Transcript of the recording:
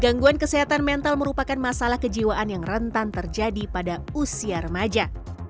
gangguan kesehatan mental merupakan masalah kejiwaan yang rentan terjadi pada usia remaja